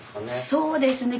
そうですね。